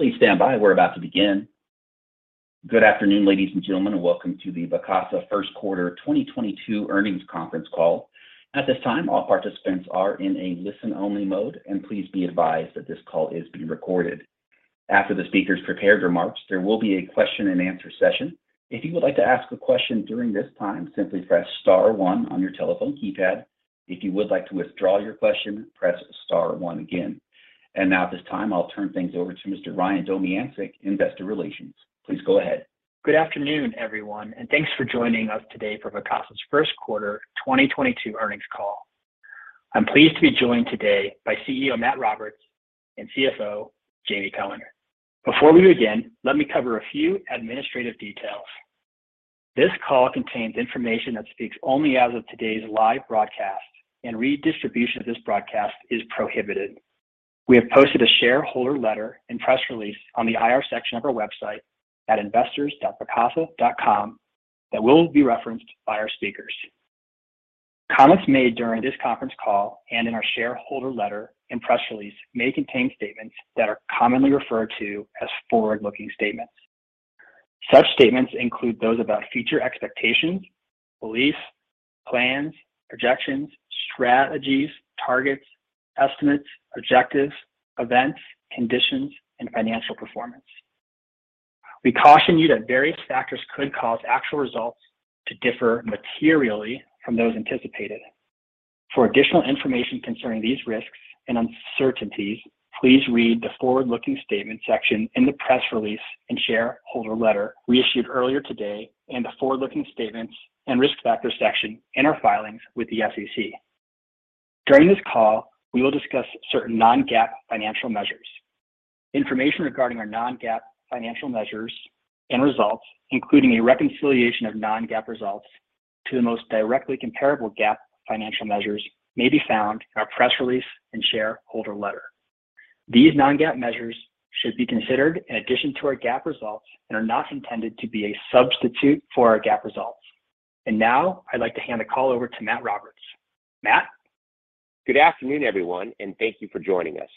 Please stand by. We're about to begin. Good afternoon, ladies and gentlemen, and welcome to the Vacasa first quarter 2022 earnings conference call. At this time, all participants are in a listen-only mode, and please be advised that this call is being recorded. After the speakers' prepared remarks, there will be a question and answer session. If you would like to ask a question during this time, simply press star one on your telephone keypad. If you would like to withdraw your question, press star one again. Now at this time, I'll turn things over to Mr. Ryan Domyancic, investor relations. Please go ahead. Good afternoon, everyone, and thanks for joining us today for Vacasa's first quarter 2022 earnings call. I'm pleased to be joined today by CEO Matt Roberts and CFO Jamie Cohen. Before we begin, let me cover a few administrative details. This call contains information that speaks only as of today's live broadcast, and redistribution of this broadcast is prohibited. We have posted a shareholder letter and press release on the IR section of our website at investors.vacasa.com that will be referenced by our speakers. Comments made during this conference call and in our shareholder letter and press release may contain statements that are commonly referred to as forward-looking statements. Such statements include those about future expectations, beliefs, plans, projections, strategies, targets, estimates, objectives, events, conditions, and financial performance. We caution you that various factors could cause actual results to differ materially from those anticipated. For additional information concerning these risks and uncertainties, please read the forward-looking statement section in the press release and shareholder letter we issued earlier today and the forward-looking statements and risk factor section in our filings with the SEC. During this call, we will discuss certain non-GAAP financial measures. Information regarding our non-GAAP financial measures and results, including a reconciliation of non-GAAP results to the most directly comparable GAAP financial measures, may be found in our press release and shareholder letter. These non-GAAP measures should be considered in addition to our GAAP results and are not intended to be a substitute for our GAAP results. Now, I'd like to hand the call over to Matt Roberts. Matt? Good afternoon, everyone, and thank you for joining us.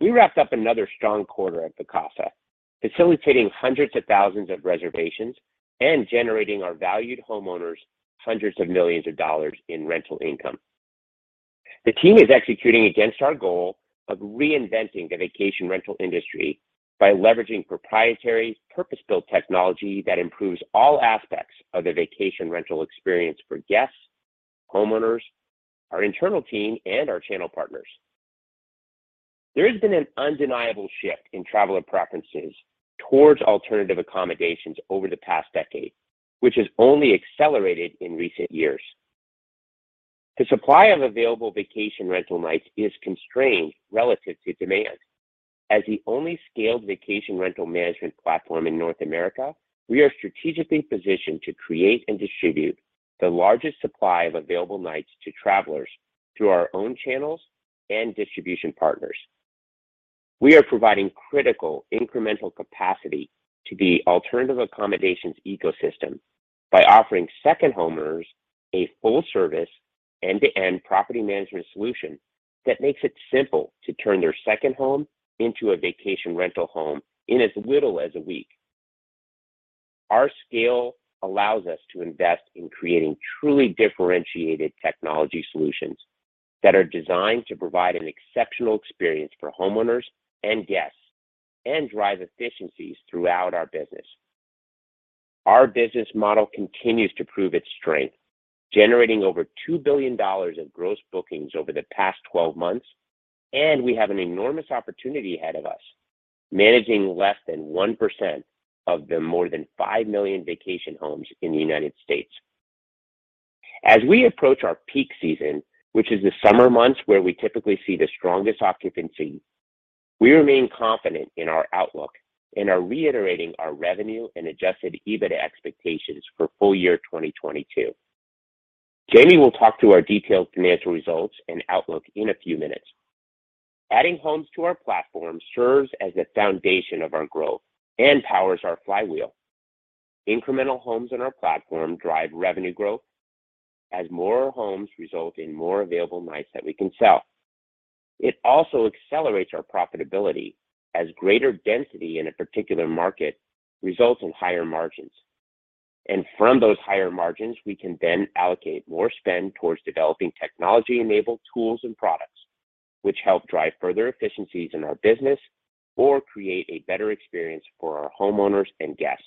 We wrapped up another strong quarter at Vacasa, facilitating hundreds of thousands of reservations and generating our valued homeowners $hundreds of millions in rental income. The team is executing against our goal of reinventing the vacation rental industry by leveraging proprietary purpose-built technology that improves all aspects of the vacation rental experience for guests, homeowners, our internal team, and our channel partners. There has been an undeniable shift in traveler preferences towards alternative accommodations over the past decade, which has only accelerated in recent years. The supply of available vacation rental nights is constrained relative to demand. As the only scaled vacation rental management platform in North America, we are strategically positioned to create and distribute the largest supply of available nights to travelers through our own channels and distribution partners. We are providing critical incremental capacity to the alternative accommodations ecosystem by offering second homeowners a full service, end-to-end property management solution that makes it simple to turn their second home into a vacation rental home in as little as a week. Our scale allows us to invest in creating truly differentiated technology solutions that are designed to provide an exceptional experience for homeowners and guests and drive efficiencies throughout our business. Our business model continues to prove its strength, generating over $2 billion of gross bookings over the past 12 months, and we have an enormous opportunity ahead of us, managing less than 1% of the more than 5 million vacation homes in the United States. As we approach our peak season, which is the summer months where we typically see the strongest occupancy, we remain confident in our outlook and are reiterating our revenue and adjusted EBITDA expectations for full year 2022. Jamie will talk to our detailed financial results and outlook in a few minutes. Adding homes to our platform serves as the foundation of our growth and powers our flywheel. Incremental homes on our platform drive revenue growth as more homes result in more available nights that we can sell. It also accelerates our profitability as greater density in a particular market results in higher margins. From those higher margins, we can then allocate more spend towards developing technology-enabled tools and products which help drive further efficiencies in our business or create a better experience for our homeowners and guests.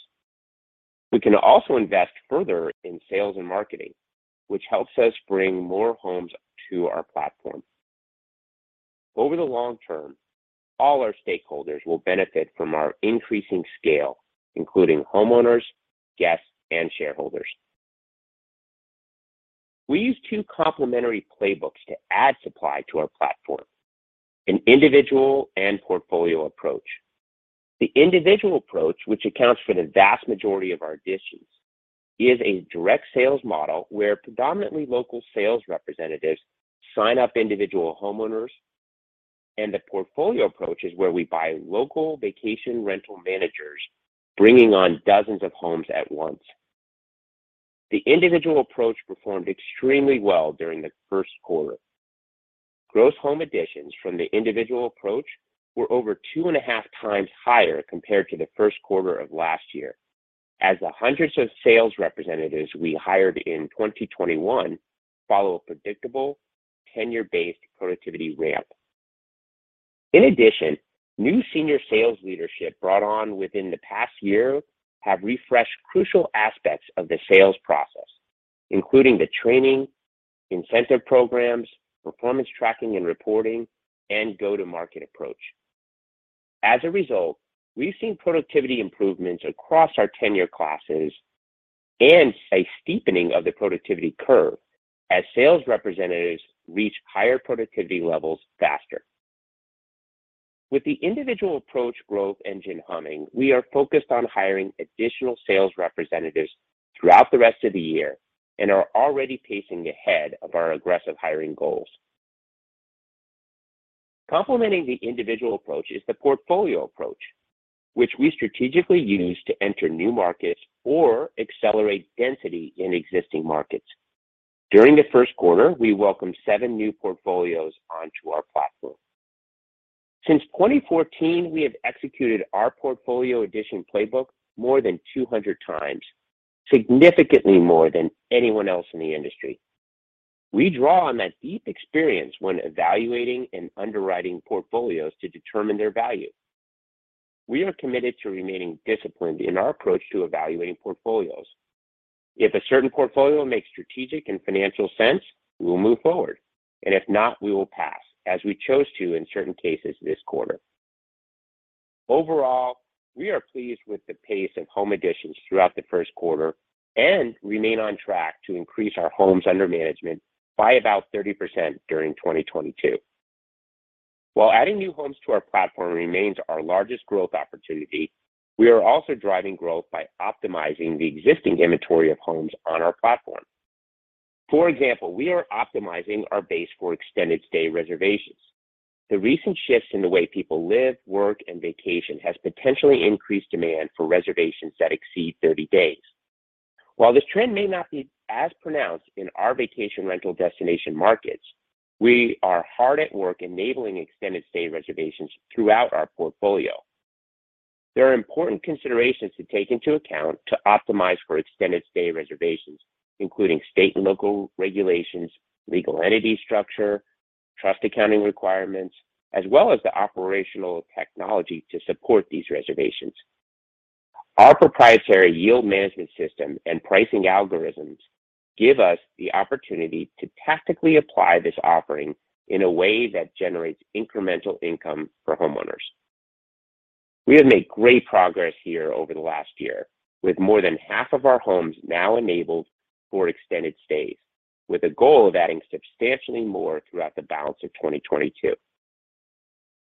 We can also invest further in sales and marketing, which helps us bring more homes to our platform. Over the long term, all our stakeholders will benefit from our increasing scale, including homeowners, guests, and shareholders. We use two complementary playbooks to add supply to our platform, an individual and portfolio approach. The individual approach, which accounts for the vast majority of our additions, is a direct sales model where predominantly local sales representatives sign up individual homeowners. The portfolio approach is where we buy local vacation rental managers, bringing on dozens of homes at once. The individual approach performed extremely well during the first quarter. Gross home additions from the individual approach were over 2.5 times higher compared to the first quarter of last year, as the hundreds of sales representatives we hired in 2021 follow a predictable tenure-based productivity ramp. In addition, new senior sales leadership brought on within the past year have refreshed crucial aspects of the sales process, including the training, incentive programs, performance tracking and reporting, and go-to-market approach. As a result, we've seen productivity improvements across our tenure classes and a steepening of the productivity curve as sales representatives reach higher productivity levels faster. With the individual approach growth engine humming, we are focused on hiring additional sales representatives throughout the rest of the year and are already pacing ahead of our aggressive hiring goals. Complementing the individual approach is the portfolio approach, which we strategically use to enter new markets or accelerate density in existing markets. During the first quarter, we welcomed 7 new portfolios onto our platform. Since 2014, we have executed our portfolio addition playbook more than 200 times, significantly more than anyone else in the industry. We draw on that deep experience when evaluating and underwriting portfolios to determine their value. We are committed to remaining disciplined in our approach to evaluating portfolios. If a certain portfolio makes strategic and financial sense, we will move forward, and if not, we will pass, as we chose to in certain cases this quarter. Overall, we are pleased with the pace of home additions throughout the first quarter and remain on track to increase our homes under management by about 30% during 2022. While adding new homes to our platform remains our largest growth opportunity, we are also driving growth by optimizing the existing inventory of homes on our platform. For example, we are optimizing our base for extended stay reservations. The recent shifts in the way people live, work, and vacation has potentially increased demand for reservations that exceed 30 days. While this trend may not be as pronounced in our vacation rental destination markets, we are hard at work enabling extended stay reservations throughout our portfolio. There are important considerations to take into account to optimize for extended stay reservations, including state and local regulations, legal entity structure, trust accounting requirements, as well as the operational technology to support these reservations. Our proprietary yield management system and pricing algorithms give us the opportunity to tactically apply this offering in a way that generates incremental income for homeowners. We have made great progress here over the last year, with more than half of our homes now enabled for extended stays, with a goal of adding substantially more throughout the balance of 2022.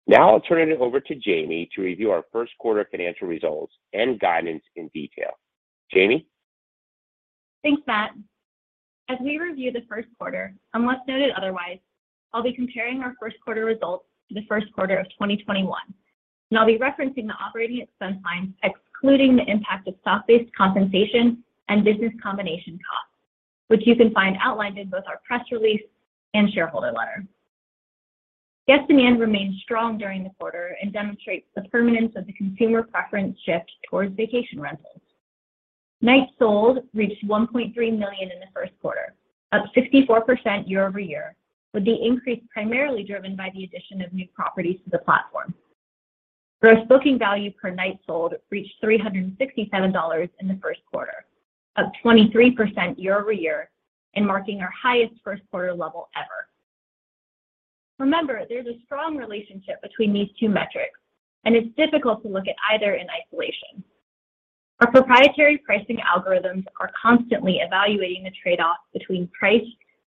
Now I'll turn it over to Jamie to review our first quarter financial results and guidance in detail. Jamie? Thanks, Matt. As we review the first quarter, unless noted otherwise, I'll be comparing our first quarter results to the first quarter of 2021, and I'll be referencing the operating expense line, excluding the impact of stock-based compensation and business combination costs, which you can find outlined in both our press release and shareholder letter. Guest demand remained strong during the quarter and demonstrates the permanence of the consumer preference shift towards vacation rentals. Nights sold reached 1.3 million in the first quarter, up 64% year-over-year, with the increase primarily driven by the addition of new properties to the platform. Gross booking value per night sold reached $367 in the first quarter, up 23% year-over-year and marking our highest first quarter level ever. Remember, there's a strong relationship between these two metrics, and it's difficult to look at either in isolation. Our proprietary pricing algorithms are constantly evaluating the trade-off between price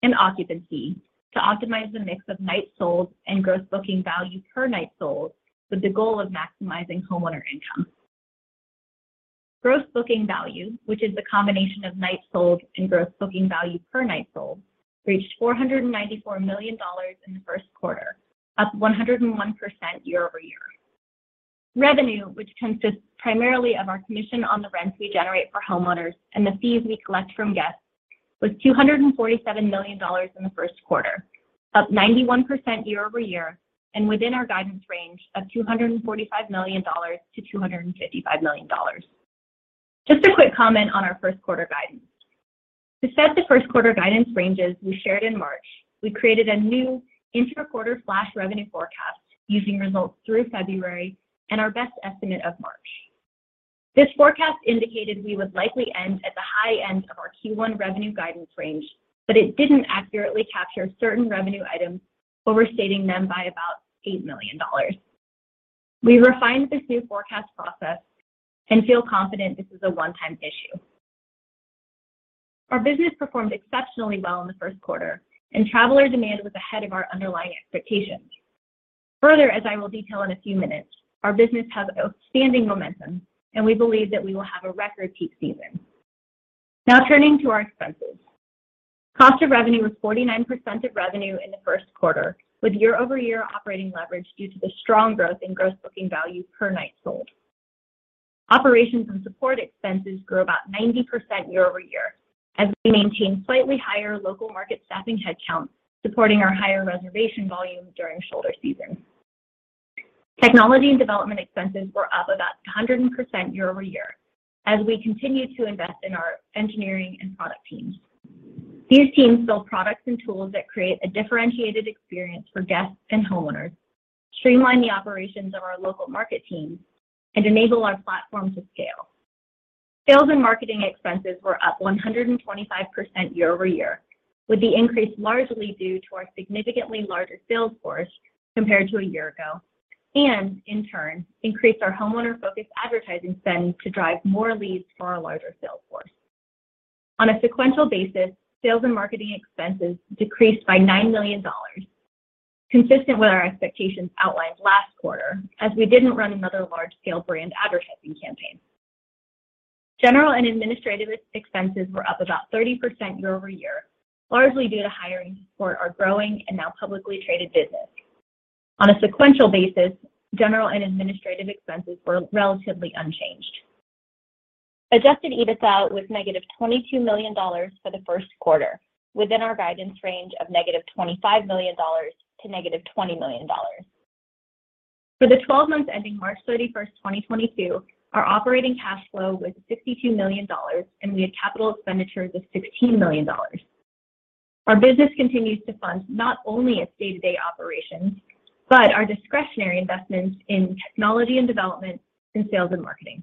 and occupancy to optimize the mix of nights sold and gross booking value per night sold, with the goal of maximizing homeowner income. Gross booking value, which is the combination of nights sold and gross booking value per night sold, reached $494 million in the first quarter, up 101% year-over-year. Revenue, which consists primarily of our commission on the rents we generate for homeowners and the fees we collect from guests, was $247 million in the first quarter, up 91% year-over-year and within our guidance range of $245 million-$255 million. Just a quick comment on our first quarter guidance. To set the first quarter guidance ranges we shared in March, we created a new interquarter flash revenue forecast using results through February and our best estimate of March. This forecast indicated we would likely end at the high end of our Q1 revenue guidance range, but it didn't accurately capture certain revenue items, overstating them by about $8 million. We refined this new forecast process and feel confident this is a one-time issue. Our business performed exceptionally well in the first quarter, and traveler demand was ahead of our underlying expectations. Further, as I will detail in a few minutes, our business has outstanding momentum, and we believe that we will have a record peak season. Now turning to our expenses. Cost of revenue was 49% of revenue in the first quarter, with year-over-year operating leverage due to the strong growth in gross booking value per night sold. Operations and support expenses grew about 90% year-over-year as we maintained slightly higher local market staffing headcounts, supporting our higher reservation volume during shoulder season. Technology and development expenses were up about 100% year-over-year as we continue to invest in our engineering and product teams. These teams build products and tools that create a differentiated experience for guests and homeowners, streamline the operations of our local market teams, and enable our platform to scale. Sales and marketing expenses were up 125% year-over-year, with the increase largely due to our significantly larger sales force compared to a year ago, and in turn, increased our homeowner-focused advertising spend to drive more leads for our larger sales force. On a sequential basis, sales and marketing expenses decreased by $9 million, consistent with our expectations outlined last quarter as we didn't run another large-scale brand advertising campaign. General and administrative expenses were up about 30% year-over-year, largely due to hiring to support our growing and now publicly traded business. On a sequential basis, general and administrative expenses were relatively unchanged. Adjusted EBITDA was negative $22 million for the first quarter, within our guidance range of negative $25 million-$20 million. For the 12 months ending March 31, 2022, our operating cash flow was $62 million, and we had capital expenditures of $16 million. Our business continues to fund not only its day-to-day operations, but our discretionary investments in technology and development, and sales and marketing.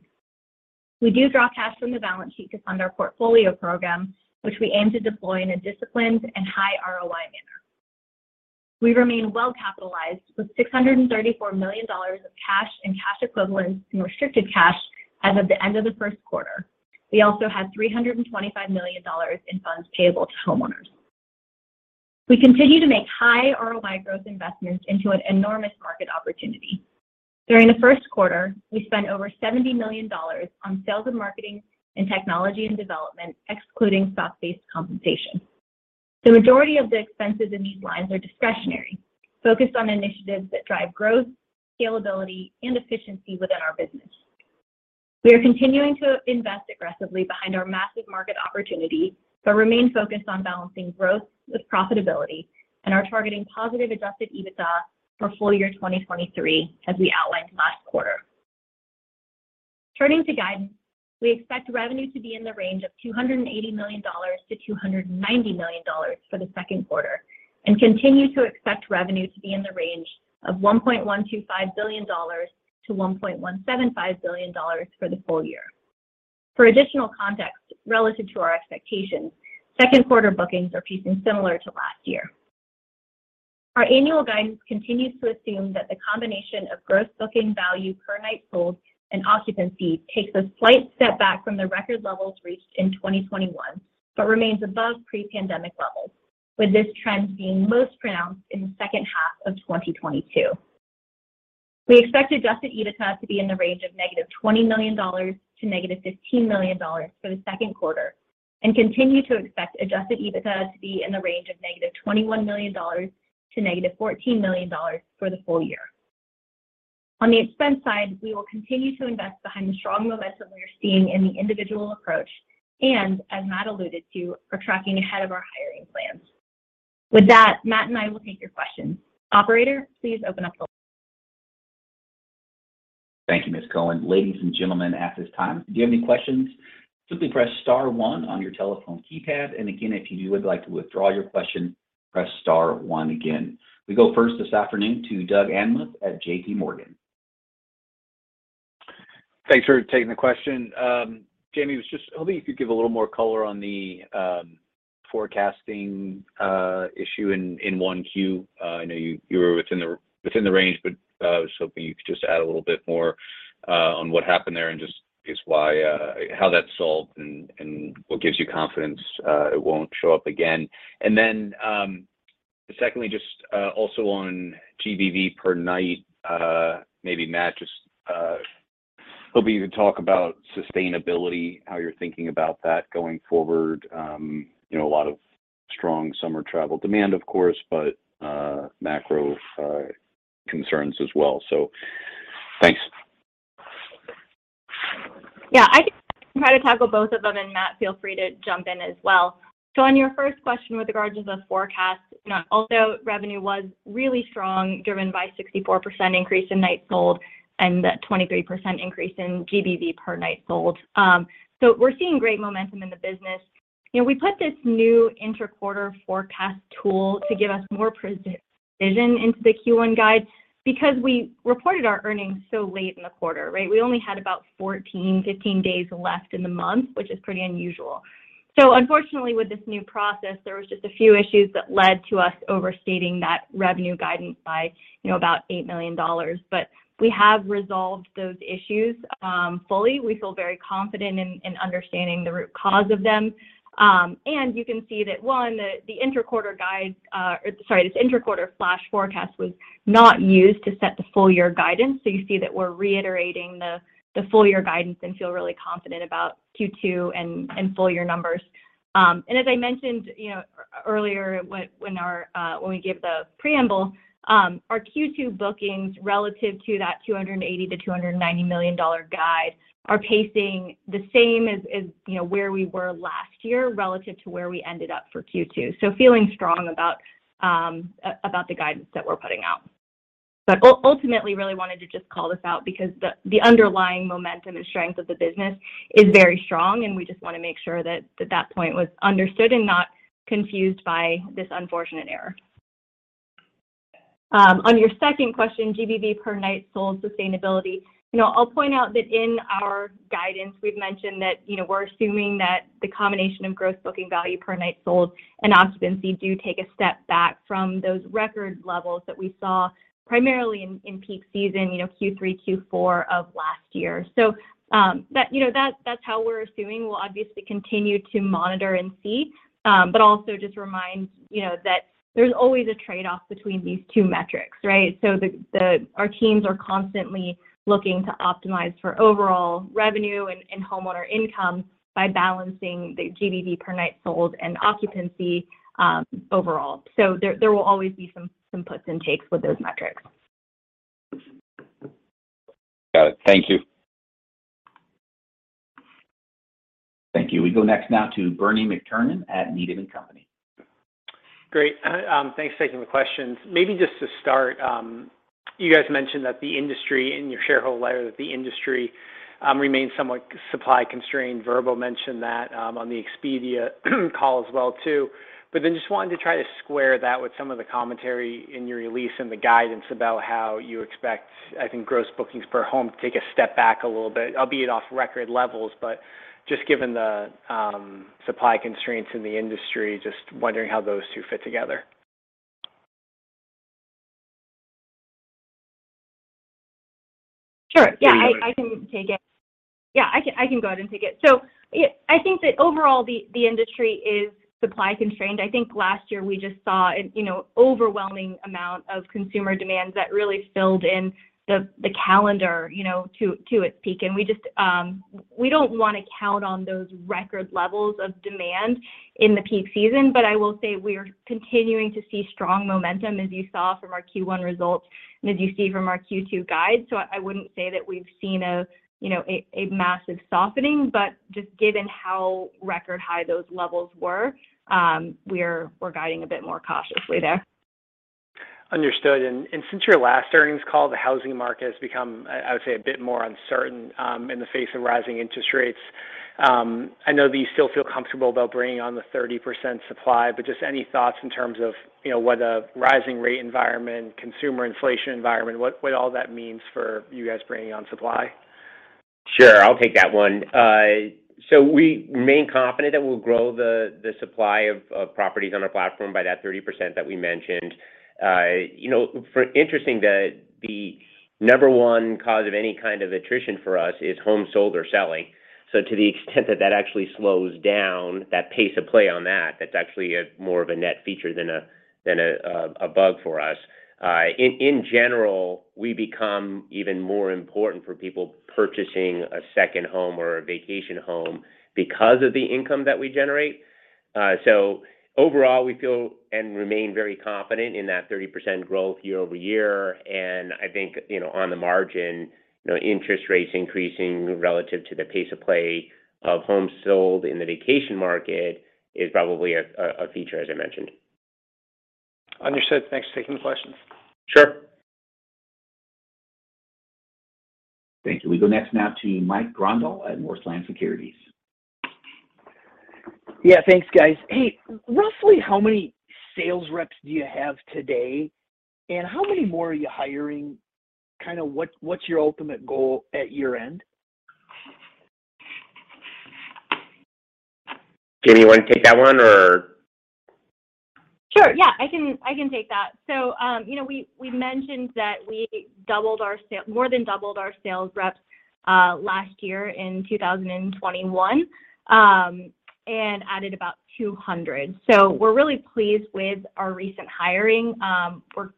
We do draw cash from the balance sheet to fund our portfolio program, which we aim to deploy in a disciplined and high ROI manner. We remain well capitalized with $634 million of cash and cash equivalents in restricted cash as of the end of the first quarter. We also had $325 million in funds payable to homeowners. We continue to make high ROI growth investments into an enormous market opportunity. During the first quarter, we spent over $70 million on sales and marketing and technology and development, excluding stock-based compensation. The majority of the expenses in these lines are discretionary, focused on initiatives that drive growth, scalability, and efficiency within our business. We are continuing to invest aggressively behind our massive market opportunity, but remain focused on balancing growth with profitability and are targeting positive adjusted EBITDA for full year 2023, as we outlined last quarter. Turning to guidance, we expect revenue to be in the range of $280 million-$290 million for the second quarter, and continue to expect revenue to be in the range of $1.125 billion-$1.175 billion for the full year. For additional context relative to our expectations, second quarter bookings are pacing similar to last year. Our annual guidance continues to assume that the combination of gross booking value per night sold and occupancy takes a slight step back from the record levels reached in 2021, but remains above pre-pandemic levels, with this trend being most pronounced in the second half of 2022. We expect adjusted EBITDA to be in the range of -$20 million-$15 million for the second quarter, and continue to expect adjusted EBITDA to be in the range of -$21 million-$14 million for the full year. On the expense side, we will continue to invest behind the strong momentum we are seeing in the individual approach and, as Matt alluded to, are tracking ahead of our hiring plans. With that, Matt and I will take your questions. Operator, please open up the. Thank you, Ms. Cohen. Ladies and gentlemen, at this time, if you have any questions, simply press star one on your telephone keypad. Again, if you would like to withdraw your question, press star one again. We go first this afternoon to Doug Anmuth at J.P. Morgan. Thanks for taking the question. Jamie, I was just hoping you could give a little more color on the forecasting issue in Q1. I know you were within the range, but I was hoping you could just add a little bit more on what happened there and just as to why how that's solved and what gives you confidence it won't show up again. Then, secondly, also on GBV per night, maybe Matt, hoping you could talk about sustainability, how you're thinking about that going forward. You know, a lot of strong summer travel demand, of course, but macro concerns as well. Thanks. Yeah, I can try to tackle both of them, and Matt, feel free to jump in as well. On your first question with regards to the forecast, you know, also revenue was really strong, driven by 64% increase in nights sold and a 23% increase in GBV per night sold. We're seeing great momentum in the business. You know, we put this new intra-quarter forecast tool to give us more precision into the Q1 guide because we reported our earnings so late in the quarter, right? We only had about 14, 15 days left in the month, which is pretty unusual. Unfortunately, with this new process, there was just a few issues that led to us overstating that revenue guidance by, you know, about $8 million. We have resolved those issues fully. We feel very confident in understanding the root cause of them. You can see that the interquarter flash forecast was not used to set the full year guidance. You see that we're reiterating the full year guidance and feel really confident about Q2 and full year numbers. As I mentioned, you know, earlier when we gave the preamble, our Q2 bookings relative to that $280 million-$290 million guide are pacing the same as, you know, where we were last year relative to where we ended up for Q2. Feeling strong about the guidance that we're putting out. Ultimately really wanted to just call this out because the underlying momentum and strength of the business is very strong, and we just wanna make sure that point was understood and not confused by this unfortunate error. On your second question, GBV per night sold sustainability. You know, I'll point out that in our guidance, we've mentioned that, you know, we're assuming that the combination of gross booking value per night sold and occupancy do take a step back from those record levels that we saw primarily in peak season, you know, Q3, Q4 of last year. You know, that's how we're assuming. We'll obviously continue to monitor and see. Also just remind, you know, that there's always a trade-off between these two metrics, right? Our teams are constantly looking to optimize for overall revenue and homeowner income by balancing the GBV per night sold and occupancy overall. There will always be some puts and takes with those metrics. Got it. Thank you. Thank you. We go next now to Bernie McTernan at Needham & Company. Great. Thanks for taking the questions. Maybe just to start, you guys mentioned in your shareholder letter that the industry remains somewhat supply constrained. Vrbo mentioned that on the Expedia call as well too. Then just wanted to try to square that with some of the commentary in your release and the guidance about how you expect, I think, gross bookings per home to take a step back a little bit, albeit off record levels. Just given the supply constraints in the industry, just wondering how those two fit together. Sure. Yeah. I can take it. Yeah, I can go ahead and take it. I think that overall, the industry is supply constrained. I think last year we just saw an, you know, overwhelming amount of consumer demand that really filled in the calendar, you know, to its peak. We just don't wanna count on those record levels of demand in the peak season. I will say we're continuing to see strong momentum, as you saw from our Q1 results and as you see from our Q2 guide. I wouldn't say that we've seen a, you know, a massive softening. Just given how record high those levels were, we're guiding a bit more cautiously there. Understood. Since your last earnings call, the housing market has become, I would say, a bit more uncertain in the face of rising interest rates. I know that you still feel comfortable about bringing on the 30% supply, but just any thoughts in terms of, you know, what a rising rate environment, consumer inflation environment, what all that means for you guys bringing on supply? Sure. I'll take that one. We remain confident that we'll grow the supply of properties on our platform by that 30% that we mentioned. You know, interestingly, the number one cause of any kind of attrition for us is homes sold or selling. To the extent that that actually slows down that pace of play on that's actually more of a net feature than a bug for us. In general, we become even more important for people purchasing a second home or a vacation home because of the income that we generate. Overall, we feel and remain very confident in that 30% growth year-over-year. I think, you know, on the margin, you know, interest rates increasing relative to the pace of play of homes sold in the vacation market is probably a feature as I mentioned. Understood. Thanks for taking the question. Sure. Thank you. We go next now to Mike Grondahl at Northland Securities. Yeah. Thanks, guys. Hey, roughly how many sales reps do you have today, and how many more are you hiring? Kinda, what's your ultimate goal at year-end? Jamie, you wanna take that one or? Sure. Yeah. I can take that. You know, we mentioned that we more than doubled our sales reps last year in 2021 and added about 200. We're really pleased with our recent hiring. We're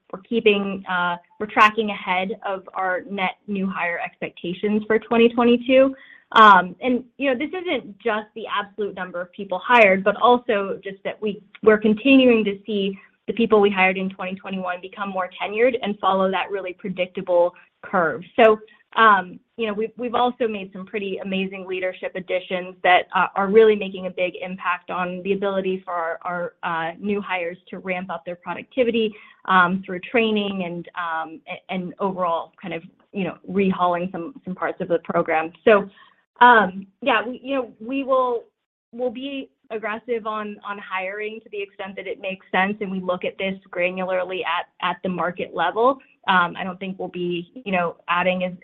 tracking ahead of our net new hire expectations for 2022. You know, this isn't just the absolute number of people hired, but also just that we're continuing to see the people we hired in 2021 become more tenured and follow that really predictable curve. You know, we've also made some pretty amazing leadership additions that are really making a big impact on the ability for our new hires to ramp up their productivity through training and overall kind of, you know, overhauling some parts of the program. Yeah, you know, we'll be aggressive on hiring to the extent that it makes sense, and we look at this granularly at the market level. I don't think we'll be, you know, adding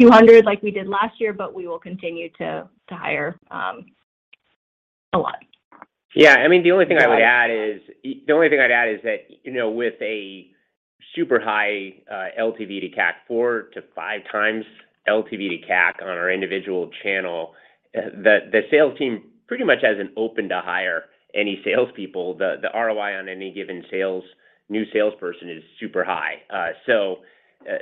200 like we did last year, but we will continue to hire a lot. Yeah. I mean, the only thing I'd add is that, you know, with a super high LTV to CAC, 4-5x LTV to CAC on our individual channel, the sales team pretty much has an open to hire any salespeople. The ROI on any given sales, new salesperson is super high. So,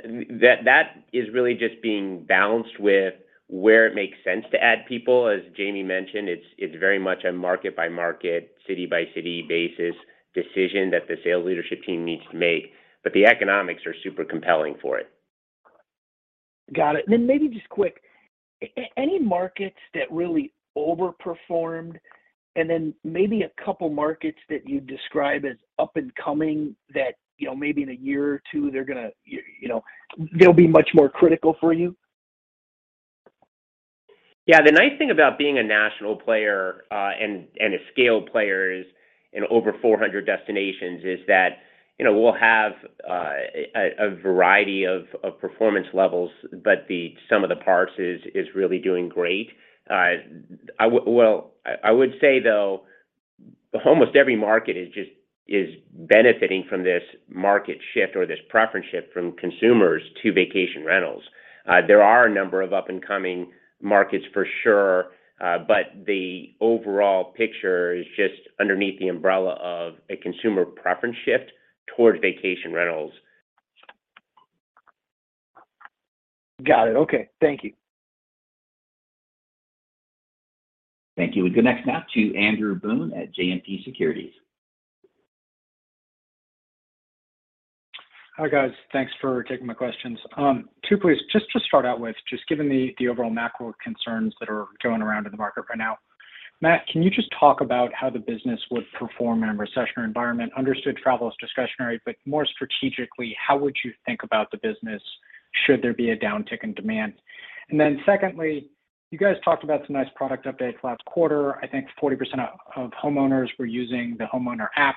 that is really just being balanced with where it makes sense to add people. As Jamie mentioned, it's very much a market by market, city by city basis decision that the sales leadership team needs to make. But the economics are super compelling for it. Got it. Maybe just quick, any markets that really overperformed and maybe a couple markets that you'd describe as up and coming that, you know, maybe in a year or two they're gonna, you know, they'll be much more critical for you? Yeah. The nice thing about being a national player, and a scaled player is in over 400 destinations is that, you know, we'll have a variety of performance levels, but the sum of the parts is really doing great. Well, I would say though almost every market is just benefiting from this market shift or this preference shift from consumers to vacation rentals. There are a number of up and coming markets for sure, but the overall picture is just underneath the umbrella of a consumer preference shift towards vacation rentals. Got it. Okay. Thank you. Thank you. We go next now to Andrew Boone at JMP Securities. Hi, guys. Thanks for taking my questions. Two please. Just to start out with, just given the overall macro concerns that are going around in the market right now, Matt, can you just talk about how the business would perform in a recessionary environment? Understood travel is discretionary, but more strategically, how would you think about the business should there be a downtick in demand? Then secondly, you guys talked about some nice product updates last quarter. I think 40% of homeowners were using the homeowner app.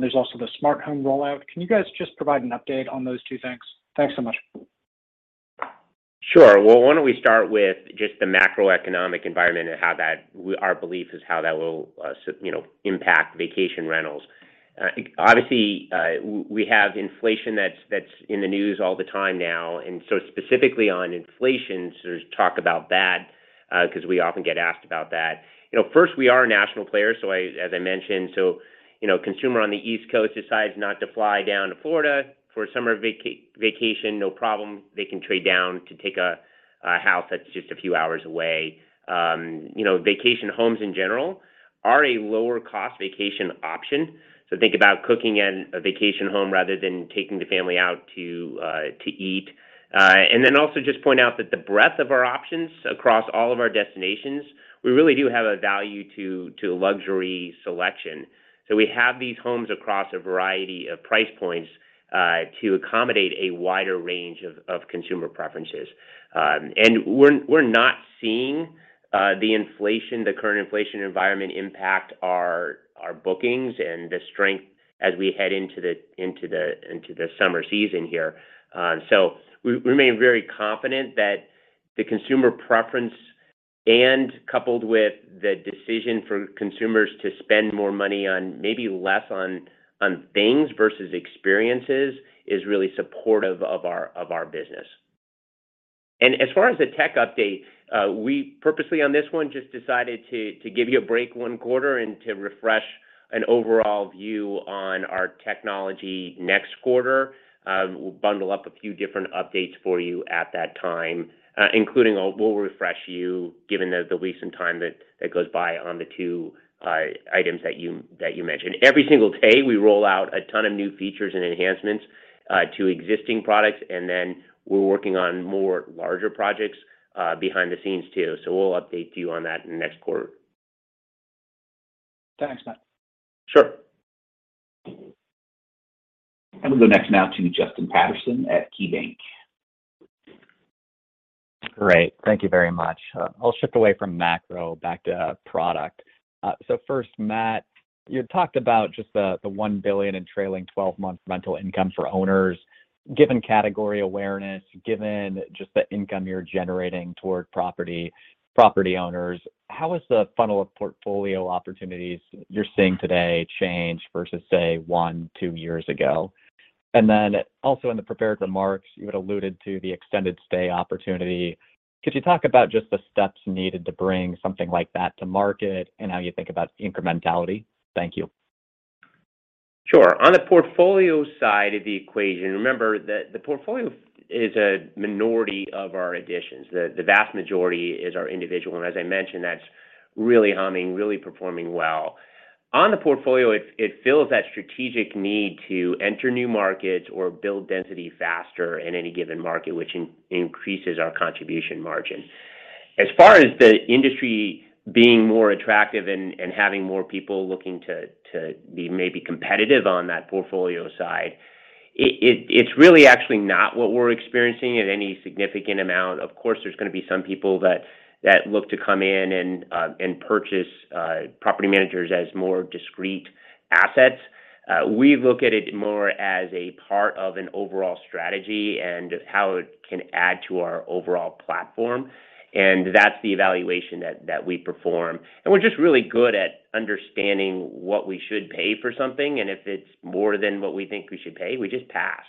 There's also the smart home rollout. Can you guys just provide an update on those two things? Thanks so much. Sure. Well, why don't we start with just the macroeconomic environment and our belief is how that will, you know, impact vacation rentals. Obviously, we have inflation that's in the news all the time now, and so specifically on inflation, so there's talk about that, 'cause we often get asked about that. You know, first we are a national player, so I, as I mentioned, so, you know, consumer on the East Coast decides not to fly down to Florida for a summer vacation, no problem. They can trade down to take a house that's just a few hours away. You know, vacation homes in general are a lower cost vacation option, so think about cooking in a vacation home rather than taking the family out to eat. Just point out that the breadth of our options across all of our destinations, we really do have a value to luxury selection. We have these homes across a variety of price points to accommodate a wider range of consumer preferences. We're not seeing the inflation, the current inflation environment impact our bookings and the strength as we head into the summer season here. We remain very confident that the consumer preference and coupled with the decision for consumers to spend more money on maybe less on things versus experiences is really supportive of our business. As far as the tech update, we purposely on this one just decided to give you a break one quarter and to refresh an overall view on our technology next quarter. We'll bundle up a few different updates for you at that time. We'll refresh you given the recent time that goes by on the two items that you mentioned. Every single day, we roll out a ton of new features and enhancements to existing products, and then we're working on more larger projects behind the scenes too. We'll update you on that next quarter. Thanks, Matt. Sure. We'll go next now to Justin Patterson at KeyBank. Great. Thank you very much. I'll shift away from macro back to product. First, Matt, you had talked about just the $1 billion in trailing twelve-month rental income for owners. Given category awareness, given just the income you're generating toward property owners, how has the funnel of portfolio opportunities you're seeing today changed versus say, 1-2 years ago? Then also in the prepared remarks, you had alluded to the extended stay opportunity. Could you talk about just the steps needed to bring something like that to market and how you think about incrementality? Thank you. Sure. On the portfolio side of the equation, remember that the portfolio is a minority of our additions. The vast majority is our individual, and as I mentioned, that's really humming, really performing well. On the portfolio, it fills that strategic need to enter new markets or build density faster in any given market, which increases our contribution margin. As far as the industry being more attractive and having more people looking to be maybe competitive on that portfolio side, it's really actually not what we're experiencing at any significant amount. Of course, there's gonna be some people that look to come in and purchase property managers as more discrete assets. We look at it more as a part of an overall strategy and how it can add to our overall platform, and that's the evaluation that we perform. We're just really good at understanding what we should pay for something, and if it's more than what we think we should pay, we just pass.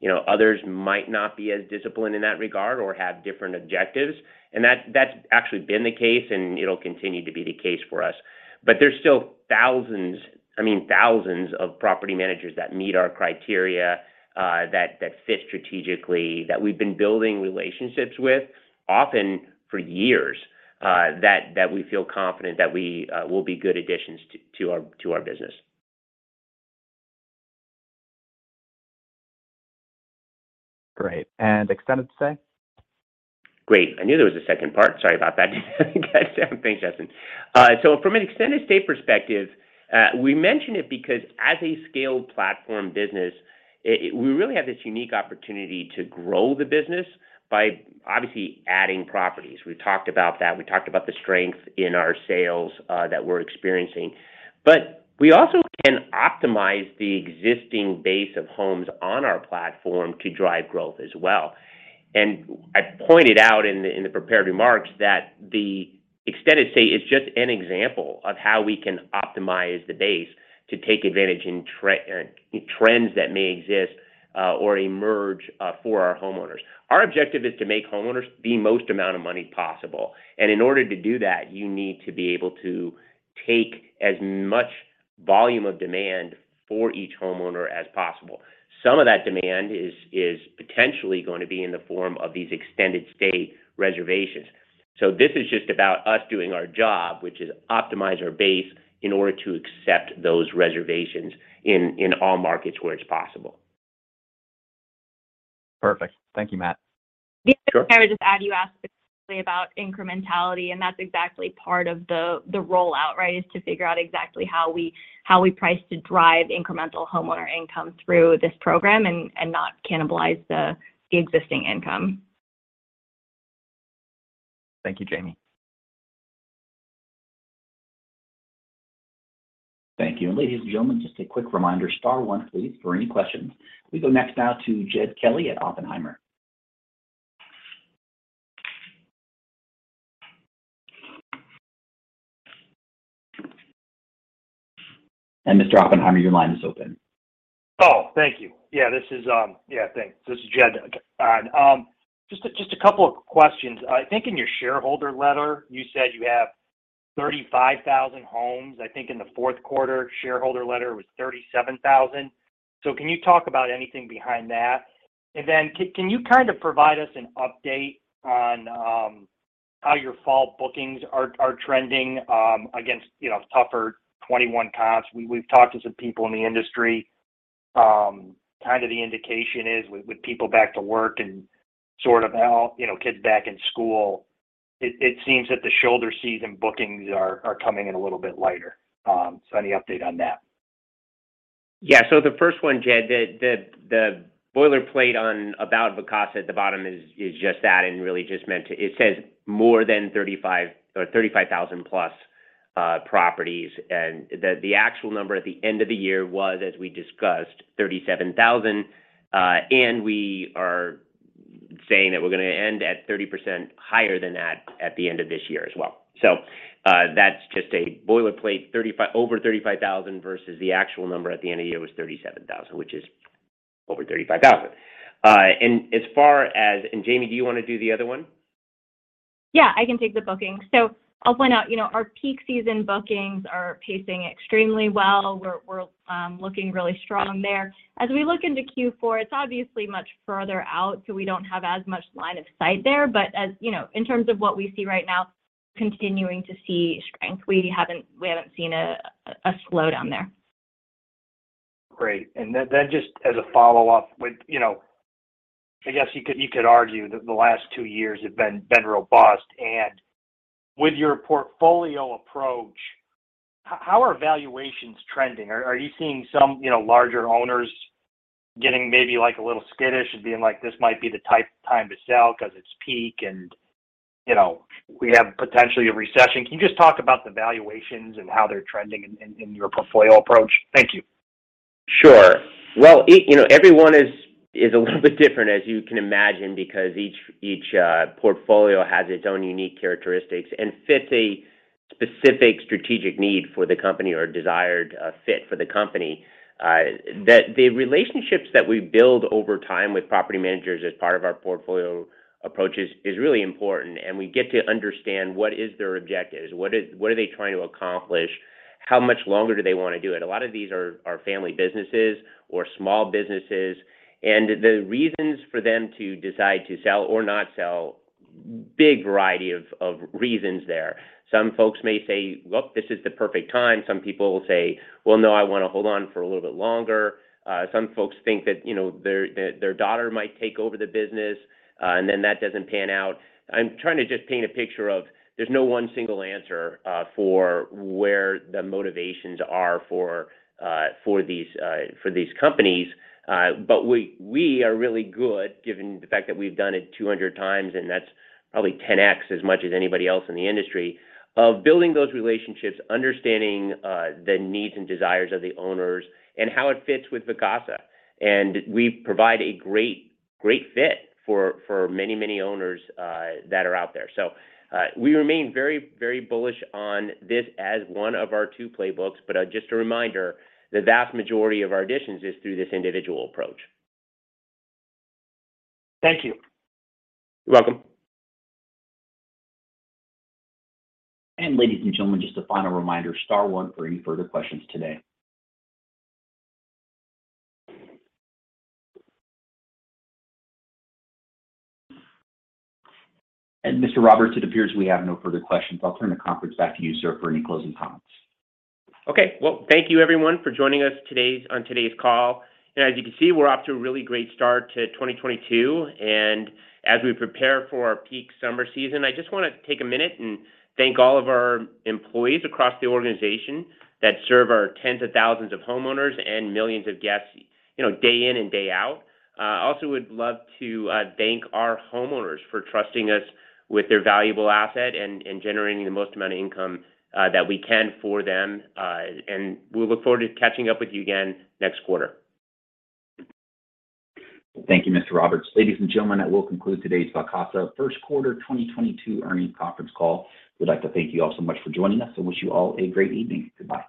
You know, others might not be as disciplined in that regard or have different objectives, and that's actually been the case and it'll continue to be the case for us. But there's still thousands, I mean, thousands of property managers that meet our criteria, that fit strategically, that we've been building relationships with often for years, that we feel confident that we will be good additions to our business. Great. Extended stay? Great. I knew there was a second part. Sorry about that. Thanks, Justin. From an extended stay perspective, we mention it because as a scaled platform business, we really have this unique opportunity to grow the business by obviously adding properties. We've talked about that. We talked about the strength in our sales that we're experiencing. We also can optimize the existing base of homes on our platform to drive growth as well. I pointed out in the prepared remarks that the extended stay is just an example of how we can optimize the base to take advantage in trends that may exist or emerge for our homeowners. Our objective is to make homeowners the most amount of money possible. In order to do that, you need to be able to take as much volume of demand for each homeowner as possible. Some of that demand is potentially gonna be in the form of these extended stay reservations. This is just about us doing our job, which is optimize our base in order to accept those reservations in all markets where it's possible. Perfect. Thank you, Matt. Sure. The other thing I would just add, you asked specifically about incrementality, and that's exactly part of the rollout, right? Is to figure out exactly how we price to drive incremental homeowner income through this program and not cannibalize the existing income. Thank you, Jamie. Thank you. Ladies and gentlemen, just a quick reminder, star one, please, for any questions. We go next now to Jed Kelly at Oppenheimer. Mr. Oppenheimer, your line is open. Thank you. Yeah, this is. Yeah, thanks. This is Jed. Just a couple of questions. I think in your shareholder letter, you said you have 35,000 homes. I think in the fourth quarter shareholder letter, it was 37,000. Can you talk about anything behind that? Can you kind of provide us an update on how your fall bookings are trending against, you know, tougher 2021 comps? We've talked to some people in the industry. Kind of the indication is with people back to work and sort of out, you know, kids back in school, it seems that the shoulder season bookings are coming in a little bit lighter. Any update on that? Yeah. The first one, Jed, the boilerplate about Vacasa at the bottom is just that and really just meant to. It says more than 35,000-plus properties. The actual number at the end of the year was, as we discussed, 37,000. We are saying that we're gonna end at 30% higher than that at the end of this year as well. That's just a boilerplate 35,000-over 35,000 versus the actual number at the end of the year was 37,000, which is over 35,000. Jamie, do you wanna do the other one? Yeah, I can take the booking. I'll point out, you know, our peak season bookings are pacing extremely well. We're looking really strong there. As we look into Q4, it's obviously much further out, so we don't have as much line of sight there. But as you know, in terms of what we see right now, continuing to see strength. We haven't seen a slowdown there. Great. Then just as a follow-up with, you know, I guess you could argue that the last two years have been robust. With your portfolio approach, how are valuations trending? Are you seeing some, you know, larger owners getting maybe, like, a little skittish and being like, "This might be the time to sell 'cause it's peak and, you know, we have potentially a recession." Can you just talk about the valuations and how they're trending in your portfolio approach? Thank you. Sure. Well, you know, everyone is a little bit different as you can imagine because each portfolio has its own unique characteristics and fits a specific strategic need for the company or desired fit for the company. The relationships that we build over time with property managers as part of our portfolio approach is really important, and we get to understand what is their objectives, what are they trying to accomplish, how much longer do they wanna do it. A lot of these are family businesses or small businesses, and the reasons for them to decide to sell or not sell, big variety of reasons there. Some folks may say, "Look, this is the perfect time." Some people will say, "Well, no, I wanna hold on for a little bit longer." Some folks think that, you know, their daughter might take over the business, and then that doesn't pan out. I'm trying to just paint a picture of there's no one single answer for where the motivations are for these companies. But we are really good, given the fact that we've done it 200 times, and that's probably 10x as much as anybody else in the industry, of building those relationships, understanding the needs and desires of the owners and how it fits with Vacasa. We provide a great fit for many, many owners that are out there. We remain very, very bullish on this as one of our two playbooks. Just a reminder, the vast majority of our additions is through this individual approach. Thank you. You're welcome. Ladies and gentlemen, just a final reminder, star one for any further questions today. Mr. Roberts, it appears we have no further questions. I'll turn the conference back to you, sir, for any closing comments. Okay. Well, thank you everyone for joining us today, on today's call. As you can see, we're off to a really great start to 2022. As we prepare for our peak summer season, I just wanna take a minute and thank all of our employees across the organization that serve our tens of thousands of homeowners and millions of guests, you know, day in and day out. Also would love to thank our homeowners for trusting us with their valuable asset and generating the most amount of income that we can for them. We look forward to catching up with you again next quarter. Thank you, Mr. Roberts. Ladies and gentlemen, that will conclude today's Vacasa first quarter 2022 earnings conference call. We'd like to thank you all so much for joining us and wish you all a great evening. Goodbye.